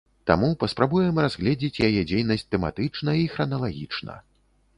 Таму паспрабуем разгледзець яе дзейнасць тэматычна і храналагічна.